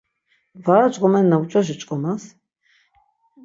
Var aç̆k̆omenna muç̆oşi ç̆k̆omas!